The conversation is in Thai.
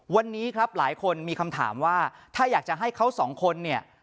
วันนี้ครับหลายคนมีคำถามว่าถ้าอยากจะให้เขาสองคนเนี่ย